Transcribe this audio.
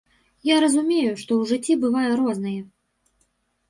Я разумею, што ў жыцці бывае рознае.